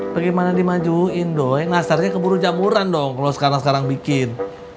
bagaimana dimajuin dong nasarnya keburu jamuran dong kalau sekarang sekarang bikin